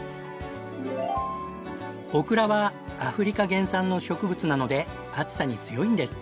オクラはアフリカ原産の植物なので暑さに強いんです。